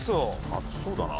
熱そうだな。